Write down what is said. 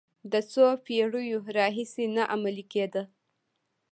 د څو پېړیو راهیسې نه عملي کېده.